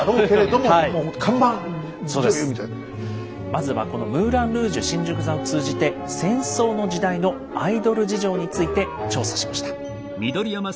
まずはこのムーラン・ルージュ新宿座を通じて戦争の時代のアイドル事情について調査しました。